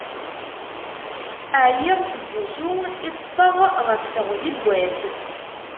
Ԑyiɣ seg usu i ṭṭfeɣ ɣef teɣzi n wass.